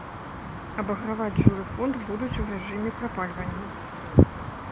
Абаграваць жылы фонд будуць у рэжыме прапальвання.